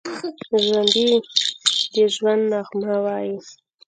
ژوندي د ژوند نغمه وايي